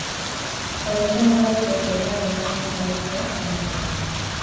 Ordaintzen ez badute, legeak ondasunak bahitzea agintzen du.